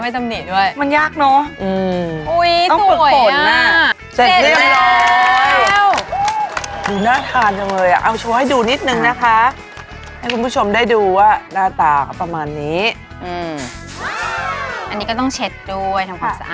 ไม่ต่อว่าไม่จำหนีด้วย